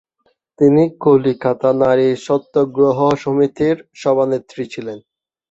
তিনি কলিকাতা ‘নারী সত্যাগ্রহ সমিতি’র সভানেত্রী ছিলেন।